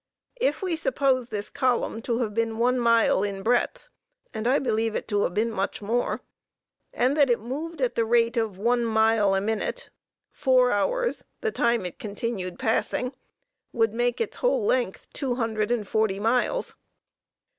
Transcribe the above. If we suppose this column to have been one mile in breadth (and I believe it to have been much more), and that it moved at the rate of one mile in a minute, four hours, the time it continued passing, would make its whole length two hundred and forty miles.